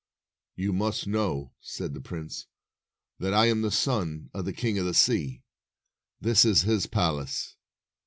"You must know," said the prince, "that I am the son of the King of the Sea. This is his palace.